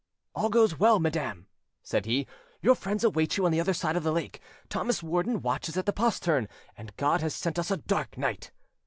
"All goes well, madam," said he. "Your friends await you on the other side of the lake, Thomas Warden watches at the postern, and God has sent us a dark night."